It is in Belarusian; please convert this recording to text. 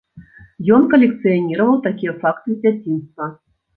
Ён калекцыяніраваў такія факты з дзяцінства.